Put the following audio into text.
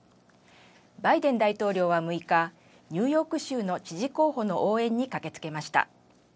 バイデン大統領は６日ニューヨーク州の知事候補の応援に駆けつけました。